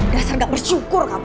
berdasar gak bersyukur kamu